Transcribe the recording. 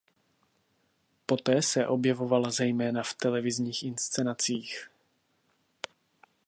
Poté se objevovala zejména v televizních inscenacích.